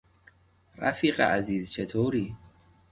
رفیق عزیز چطوری؟